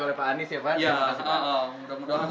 terima kasih pak semoga di temui